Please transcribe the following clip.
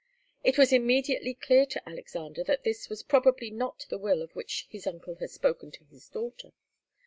It was immediately clear to Alexander that this was probably not the will of which his uncle had spoken to his daughter.